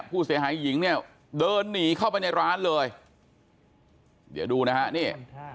ผู้เสียหายหญิงเนี่ยเดินหนีเข้าไปในร้านเลยเดี๋ยวดูนะฮะนี่